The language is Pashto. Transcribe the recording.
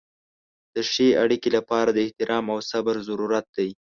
د ښې اړیکې لپاره د احترام او صبر ضرورت دی.